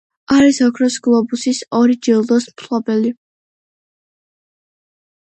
არის ოქროს გლობუსის ორი ჯილდოს მფლობელი.